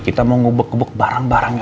kita mau ngubuk kubuk barang barangnya